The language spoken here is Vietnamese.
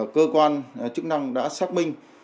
cơ quan chức năng đã xác minh